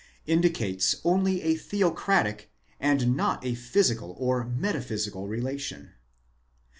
7,) indicates only a theocratic, and not a physical or metaphysical relation.